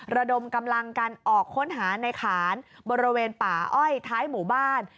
ระดมกำลังกันออกค้นหาในขานบริเวณป่าอ้อยท้ายหมู่บ้าน